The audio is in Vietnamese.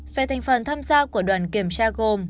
về thành phần tham gia của đoàn kiểm tra gồm